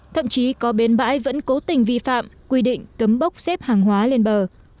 thậm chí có bến bãi vẫn cố tình vi phạm quy định cấm bốc xếp hàng hóa lên bờ